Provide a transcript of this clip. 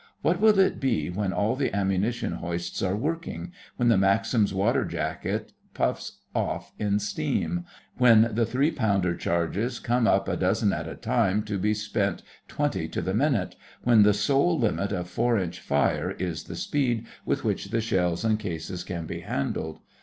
What will it be when all the ammunition hoists are working, when the Maxims' water jacket puffs off in steam; when the three pounder charges come up a dozen at a time to be spent twenty to the minute; when the sole limit of four inch fire is the speed with which the shells and cases can be handled?